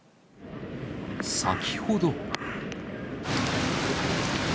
先ほど。